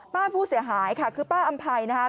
ป้าผู้เสียหายคือป้าอำภัยนะฮะ